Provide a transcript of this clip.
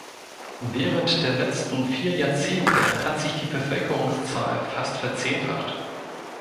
Während der letzten vier Jahrzehnte hat sich die Bevölkerungszahl fast verzehnfacht.